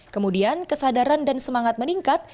kemudian kesadaran dan semangat meningkat